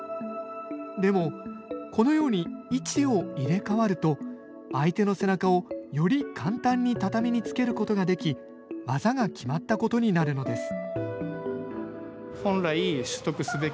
でもこのように位置を入れ替わると相手の背中をより簡単に畳につけることができ技が決まったことになるのです